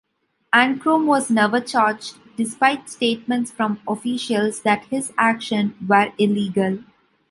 Ankrom was never charged, despite statements from officials that his actions were illegal.